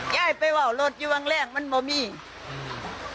ยายพี่ว้าวรถอยู่วังแรงมันมีโออื้อ